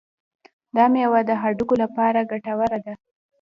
دا میوه د هډوکو لپاره ګټوره ده.